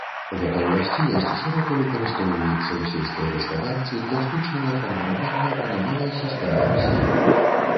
Гэта ўласцівасць шырока выкарыстоўваецца ў сельскай гаспадарцы для штучнага фарміравання каранёвай сістэмы расліны.